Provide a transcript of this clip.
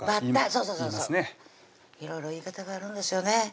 そうそういろいろ言い方があるんですよね